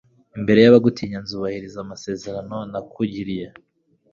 imbere y'abagutinya, nzubahiriza amasezerano nakugiriye